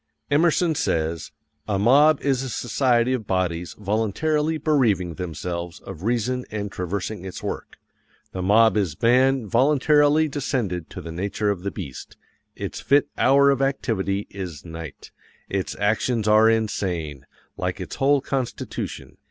_ Emerson says: "A mob is a society of bodies voluntarily bereaving themselves of reason and traversing its work. The mob is man voluntarily descended to the nature of the beast. Its fit hour of activity is NIGHT. ITS ACTIONS ARE INSANE, _like its whole constitution.